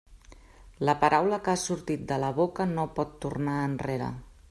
La paraula que ha sortit de la boca no pot tornar enrere.